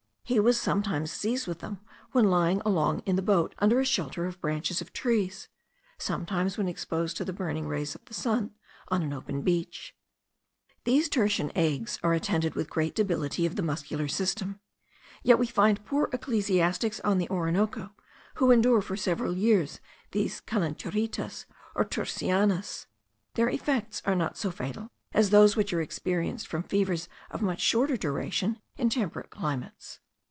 He was sometimes seized with them when lying along in the boat under a shelter of branches of trees, sometimes when exposed to the burning rays of the sun on an open beach. These tertian agues are attended with great debility of the muscular system; yet we find poor ecclesiastics on the Orinoco, who endure for several years these calenturitas, or tercianas: their effects are not so fatal as those which are experienced from fevers of much shorter duration in temperate climates.